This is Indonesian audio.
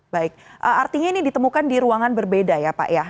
baik artinya ini ditemukan di ruangan berbeda ya pak ya